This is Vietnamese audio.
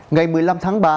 ngày một mươi năm tháng ba